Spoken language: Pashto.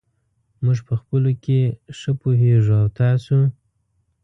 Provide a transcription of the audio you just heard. موږ په خپلو کې ښه پوهېږو. او تاسو !؟